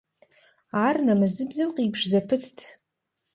Ар нэмэзыбзэу къибж зэпытт.